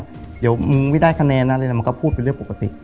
เดี๋ยวมึงไม่ได้คะแนนอะไรนะมันก็พูดเป็นเรื่องปกติ